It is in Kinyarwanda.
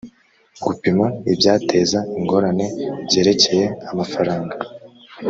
gupima ibyateza ingorane byerekeye amafaranga